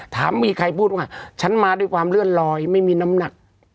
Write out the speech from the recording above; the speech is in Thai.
ถามมีใครพูดว่าฉันมาด้วยความเลื่อนลอยไม่มีน้ำหนัก